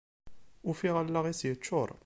Ufiɣ allaɣ-is yeččur.